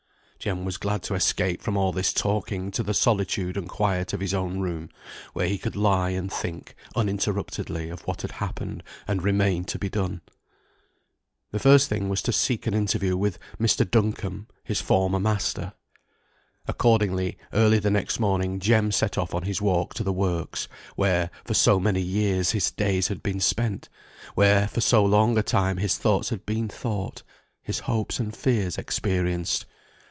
Jem was glad to escape from all this talking to the solitude and quiet of his own room, where he could lie and think uninterruptedly of what had happened and remained to be done. The first thing was to seek an interview with Mr. Duncombe, his former master. Accordingly, early the next morning Jem set off on his walk to the works, where for so many years his days had been spent; where for so long a time his thoughts had been thought, his hopes and fears experienced.